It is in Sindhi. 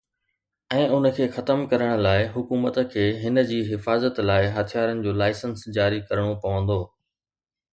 ۽ ان کي ختم ڪرڻ لاءِ ، حڪومت کي هن جي حفاظت لاءِ هٿيارن جو لائسنس جاري ڪرڻو پوندو.